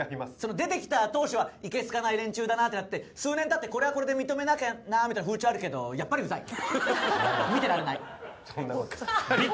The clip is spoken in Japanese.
出てきた当初はいけ好かない連中だなってなって数年たってこれはこれで認めなきゃみたいな風潮あるけどやっぱりウザい見てられない